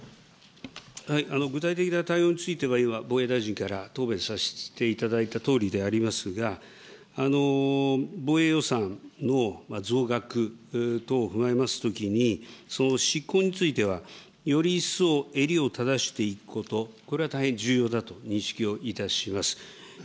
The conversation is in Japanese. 具体的な対応については、今、防衛大臣から答弁させていただいたとおりでありますが、防衛予算の増額等を踏まえますときに、その執行についてはより一層襟を正していくこと、これは大変重要だと認識をいたします。